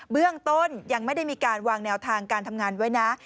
เบื้องต้นยังไม่ได้มีการวางแนวทางการทำงานไว้นะ